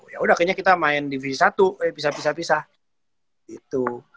yaudah kayaknya kita main divisi satu kayaknya bisa bisa bisa gitu